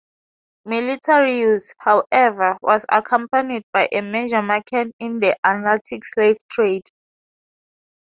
Military use, however, was accompanied by a major market in the Atlantic slave trade.